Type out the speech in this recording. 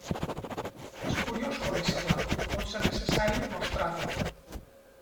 És curiós conèixer-la, i pot ser necessari mostrar-la.